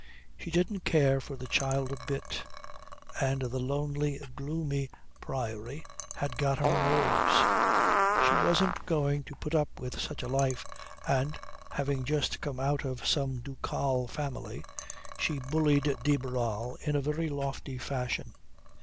She didn't care for the child a bit, and the lonely, gloomy Priory had got on her nerves. She wasn't going to put up with such a life and, having just come out of some ducal family, she bullied de Barral in a very lofty fashion.